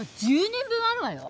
１０年分あるわよ！